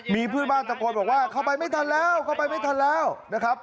มีเพื่อนบ้านตะโกนบอกว่าเข้าไปไม่ทันแล้วเข้าไปไม่ทันแล้วนะครับ